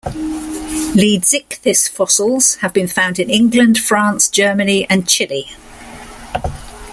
"Leedsichthys" fossils have been found in England, France, Germany and Chile.